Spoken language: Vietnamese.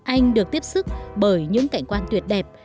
anh được tiếp xúc bởi những cạnh quan tuyệt đẹp